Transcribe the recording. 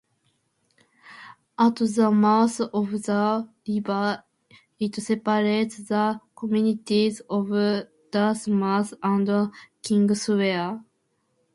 At the mouth of the river, it separates the communities of Dartmouth and Kingswear.